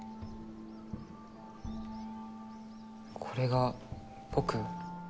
これが僕？